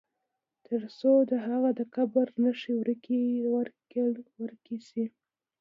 تر څو د هغه د قبر نښي ورکي سي.